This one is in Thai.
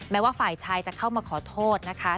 ว่าฝ่ายชายจะเข้ามาขอโทษนะคะ